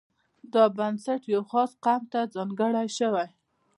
دا بنسټ یوه خاص قوم ته ځانګړی شوی.